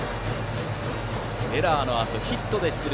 エラーのあと、ヒットで出塁。